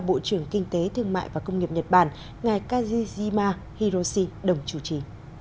bộ trưởng kinh tế thương mại và công nghiệp nhật bản ngài kazushima hiroshi đồng chủ trì